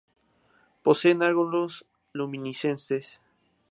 Poseen órganos luminiscentes.